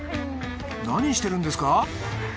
何してるんですか？